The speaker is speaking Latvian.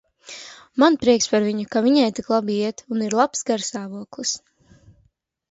Man prieks par viņu, ka viņai tik labi iet un ir labs garastāvoklis.